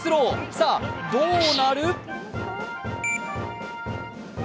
さあ、どうなる？